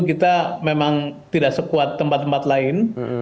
kita memang tidak sekuat tempat tempat lain